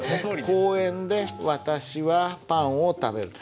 「公園で私はパンを食べる」。